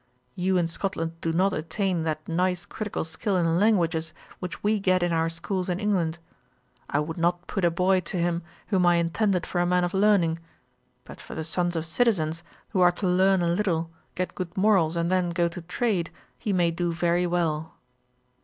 You in Scotland do not attain that nice critical skill in languages, which we get in our schools in England. I would not put a boy to him, whom I intended for a man of learning. But for the sons of citizens, who are to learn a little, get good morals, and then go to trade, he may do very well.'